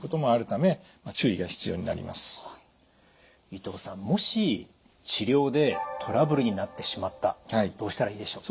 伊藤さんもし治療でトラブルになってしまったどうしたらいいでしょう？